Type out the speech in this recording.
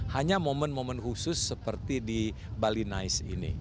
hanya momen momen khusus seperti di bali nice ini